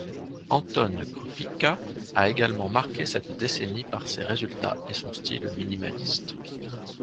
Anton Krupicka a également marqué cette décénnie par ses résultats et son style minimaliste.